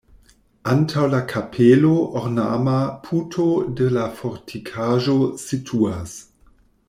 Antaŭ la kapelo ornama puto de la fortikaĵo situas.